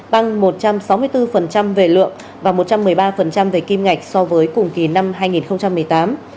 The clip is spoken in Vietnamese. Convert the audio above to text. tăng một trăm sáu mươi bốn về lượng và một trăm một mươi ba về kim ngạch so với cùng kỳ năm hai nghìn một mươi tám